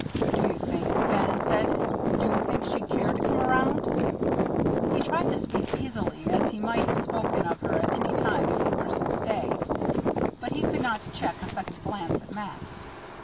"Do you think," Bannon said, "do you think she'd care to come around?" He tried to speak easily, as he might have spoken of her at any time before Christmas Day, but he could not check a second glance at Max.